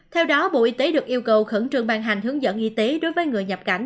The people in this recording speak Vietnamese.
theo đó bộ y tế được yêu cầu khẩn trương bàn hành hướng dẫn y tế đối với người nhập cảnh